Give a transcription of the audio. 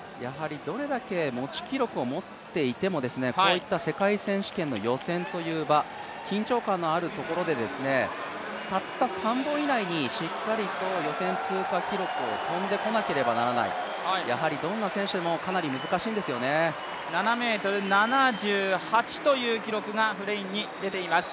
どれだけ持ち記録を持っていても、こういった世界選手権の予選という場緊張感のあるところで、たった３本以内にしっかりと予選通過記録を跳んでこなければならない、どんな選手でも７ｍ７８という記録がフレインに出ています。